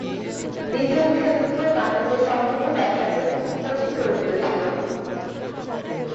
দ্বিতীয় বিশ্বযুদ্ধ কান্টাসের সমৃদ্ধ ব্যবসাকে কঠিন করে তুলেছিল।